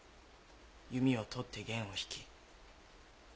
「弓を取って弦を引き」。